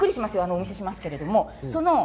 お見せしますけれども。